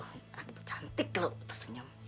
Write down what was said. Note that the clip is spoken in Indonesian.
lagi bercantik lho tersenyum